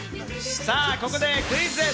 ここでクイズです。